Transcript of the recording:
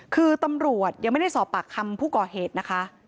คือตำรวจยังไม่ได้สอบปากคำผู้ก่อเหตุนะคะ